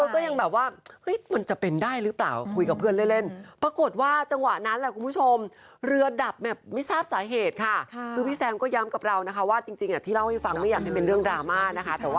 ก็ยังแบบว่ามันจะเป็นได้หรือเปล่าคุยกับเพื่อนเล่น